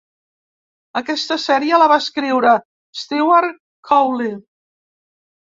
Aquesta sèrie la va escriure Stewart Cowley.